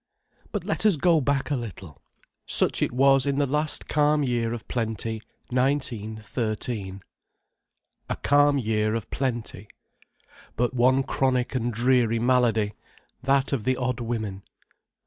But let us go back a little. Such it was in the last calm year of plenty, 1913. A calm year of plenty. But one chronic and dreary malady: that of the odd women.